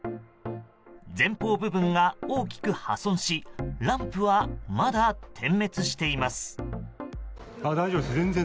前方部分が大きく破損しランプは、まだ点滅しています。